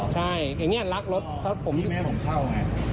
พี่แม่ผมเช่าไง